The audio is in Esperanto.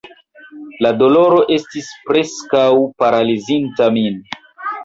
La doloro estis preskaŭ paralizinta min.